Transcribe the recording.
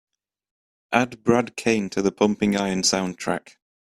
Add brad kane to the Pumping Iron soundtrack.